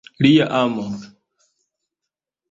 Lia amo.